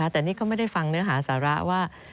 แต่นี่ก็ไม่ได้ฟังเนื้อหาสาระว่า